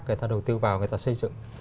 người ta đầu tư vào người ta xây dựng